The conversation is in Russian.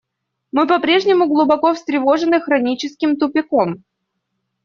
Мы по-прежнему глубоко встревожены хроническим тупиком.